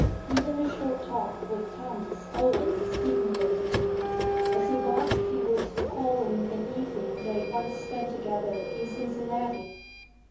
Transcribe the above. Even a short talk with Thomas always stimulated him. As he walked he was recalling an evening they once spent together in Cincinnati.